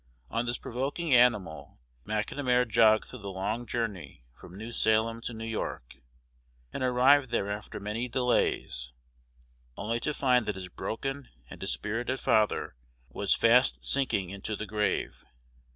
On this provoking animal McNamar jogged through the long journey from New Salem to New York, and arrived there after many delays, only to find that his broken and dispirited father was fast sinking into the grave.